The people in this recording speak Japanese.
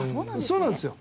そうなんですね。